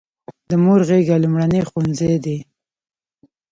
د مور غیږه لومړنی ښوونځی دی.